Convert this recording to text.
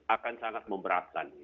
akan sangat memberatkan